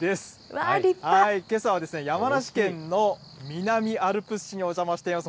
けさはですね、山梨県の南アルプス市にお邪魔しています。